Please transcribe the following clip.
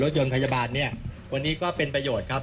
รถยนต์พยาบาลวันนี้ก็เป็นประโยชน์